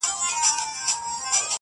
دلته تم سه چي بېړۍ دي را رسیږي-